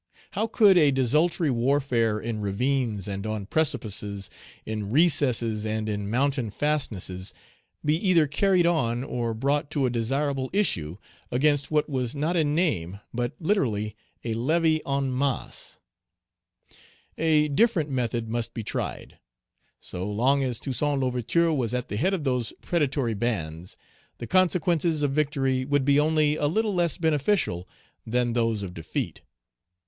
How could a desultory warfare in ravines and on precipices, in recesses and in mountain fastnesses, be either carried on or brought to a desirable issue against what was not in name but literally a levy en masse? A different method must be tried. So long as Toussaint L'Ouverture was at the head of those predatory bands, the consequences of victory would be only a little less beneficial than those of defeat.